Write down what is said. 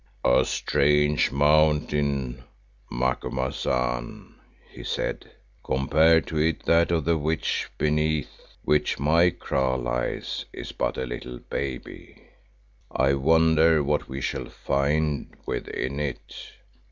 "A strange mountain, Macumazahn," he said, "compared to it that of the Witch, beneath which my kraal lies, is but a little baby. I wonder what we shall find within it.